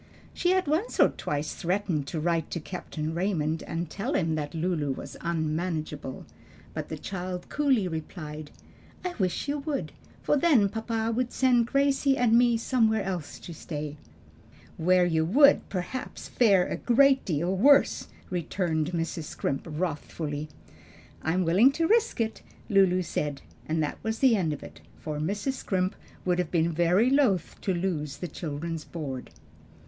She had once or twice threatened to write to Captain Raymond and tell him that Lulu was unmanageable, but the child coolly replied, "I wish you would; for then papa would send Gracie and me somewhere else to stay." "Where you would, perhaps, fare a great deal worse," returned Mrs. Scrimp wrathfully. "I am willing to risk it," Lulu said; and that was the end of it, for Mrs. Scrimp would have been very loath to lose the children's board.